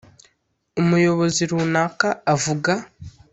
umuyobozi runaka avuga